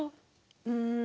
うん。